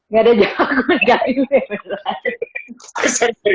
gak ada jakuna